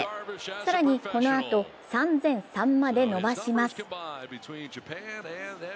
更に、このあと、３００３まで伸ばします。